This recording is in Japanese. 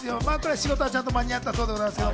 仕事はちゃんと間に合ったそうです。